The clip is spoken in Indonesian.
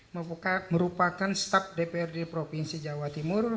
merupakan staf dprd provinsi jawa timur